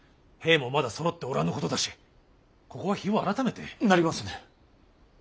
兵もまだそろっておらぬことだしここは日を改めて。なりませぬ。